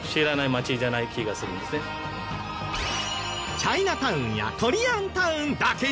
チャイナタウンやコリアンタウンだけじゃない！